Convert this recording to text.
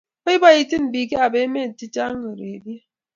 iboiboiti biik ab emet chechang ureriet